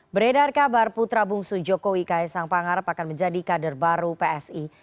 beredar kabar putra bungsu jokowi kaisang pangarep akan menjadi kader baru psi